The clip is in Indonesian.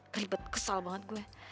keribet kesal banget gue